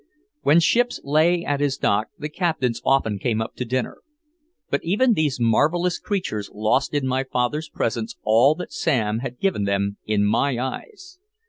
When ships lay at his dock the captains often came up to dinner. But even these marvelous creatures lost in my father's presence all that Sam had given them in my eyes.